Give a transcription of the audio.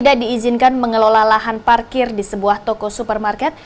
tidak diizinkan mengelola lahan parkir di sebuah toko supermarket